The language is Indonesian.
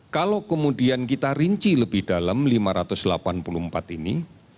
kalau kemudian kita rinci lebih dalam lima ratus delapan puluh empat ini